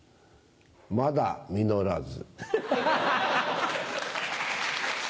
まだ実らず。